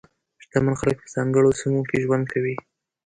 شتمن خلک په ځانګړو سیمو کې ژوند کوي.